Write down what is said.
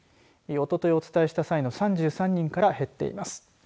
お伝えした際の３３人から減っています。